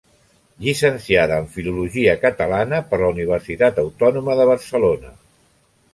Llicenciada en Filologia Catalana per la Universitat Autònoma de Barcelona.